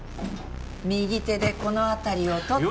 右手でこの辺りを取って。